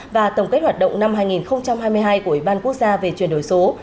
và tổng kết hoạt động năm hai nghìn hai mươi hai của ủy ban quốc gia về chuyển đổi số